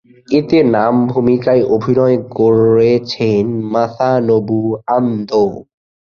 এতে নাম ভূমিকায় অভিনয় করেছেন মাসানোবু আন্দো।